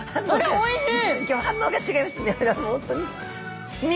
おいしい。